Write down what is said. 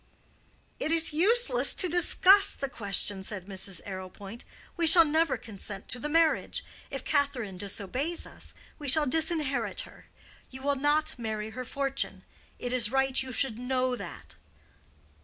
"It is useless to discuss the question," said Mrs. Arrowpoint. "We shall never consent to the marriage. If Catherine disobeys us we shall disinherit her. You will not marry her fortune. It is right you should know that."